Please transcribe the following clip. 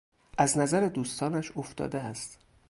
از نظر دوستانش افتاده است.